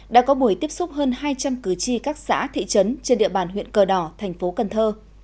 đã có buổi tiếp xúc hơn hai trăm linh cử tri các xã thị trấn trên địa bàn huyện cờ đỏ tp cnh